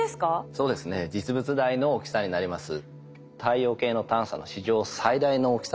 そうですね実物大の大きさになります。